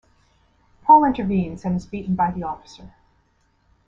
Paul intervenes and is beaten by the officer.